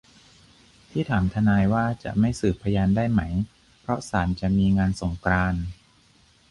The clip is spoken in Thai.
ที่ถามทนายว่าจะไม่สืบพยานได้ไหมเพราะศาลจะมีงานสงกรานต์